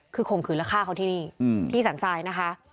ผมคือราคาเขาที่นี่พี่สันทรายนะคะ